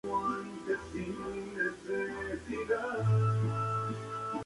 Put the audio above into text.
Esta lucha marcó el debut de Cody y Goldust como un equipo en parejas.